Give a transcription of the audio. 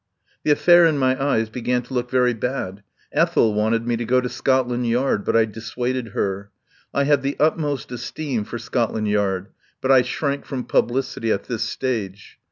The affair in my eyes began to look very bad. Ethel wanted me to go to Scotland Yard, but I dissuaded her. I have the utmost esteem for Scotland Yard, but I shrank from publicity at this stage.